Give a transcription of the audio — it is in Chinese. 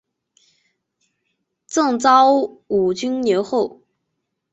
赠昭武军留后。